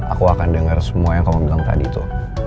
aku akan dengar semua yang kamu bilang tadi tuh